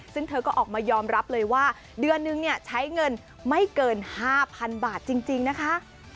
ซึ่งเธอก็ออกมายอมรับเลยว่าเดือนนึงเนี่ยใช้เงินไม่เกิน๕๐๐๐บาทจริงนะคะ